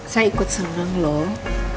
saya ikut seneng loh